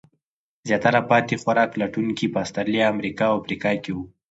زیاتره پاتې خوراک لټونکي په استرالیا، امریکا او افریقا کې وو.